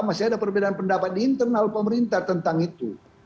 masih ada perbedaan pendapat di internal pemerintah tentang itu